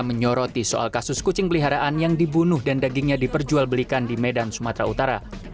menyoroti soal kasus kucing peliharaan yang dibunuh dan dagingnya diperjualbelikan di medan sumatera utara